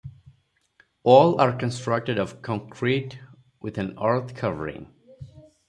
All are constructed of concrete with an earth covering.